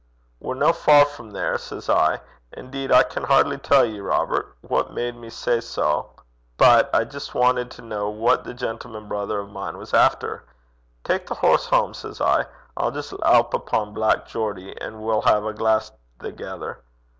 "We're no far frae there," says I an' deed I can hardly tell ye, Robert, what garred me say sae, but I jist wantit to ken what that gentleman brither o' mine was efter; "tak the horse hame," says I "I'll jist loup upo' Black Geordie an' we'll hae a glaiss thegither.